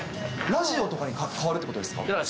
ラジオとかに変わるってことですか。